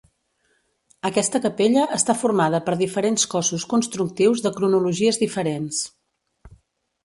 Aquesta capella està formada per diferents cossos constructius de cronologies diferents.